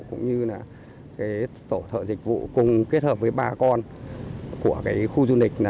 cũng như là tổ thợ dịch vụ cùng kết hợp với ba con của khu du lịch